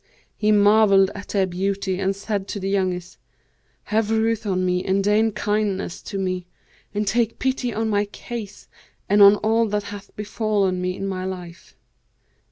He marvelled at their beauty and said to the youngest, 'Have ruth on me and deign kindness to me and take pity on my case and on all that hath befallen me in my life.'